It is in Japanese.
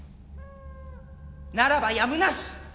ならばやむなし。